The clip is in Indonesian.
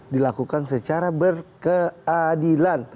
dilakukan secara berkeadilan